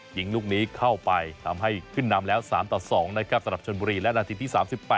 ยิงลูกนี้เข้าไปทำให้ขึ้นนำแล้ว๓ต่อ๒นะครับสำหรับชนบุรีและนาทีที่๓๘